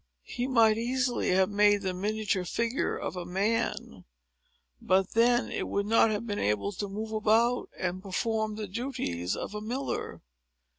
He might easily have made the miniature figure of a man; but then it would not have been able to move about, and perform the duties of a miller.